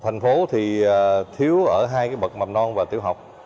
thành phố thì thiếu ở hai cái bậc mầm non và tiểu học